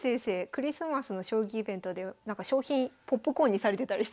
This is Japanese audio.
クリスマスの将棋イベントで賞品ポップコーンにされてたりしたので。